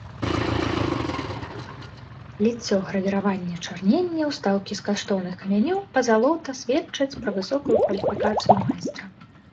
Ліццё, гравіраванне, чарненне, устаўкі з каштоўных камянёў, пазалота сведчаць пра высокую кваліфікацыю майстра.